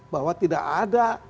bahwa tidak ada